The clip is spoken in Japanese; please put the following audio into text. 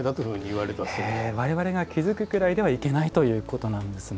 われわれが気付くくらいではいけないということなんですね。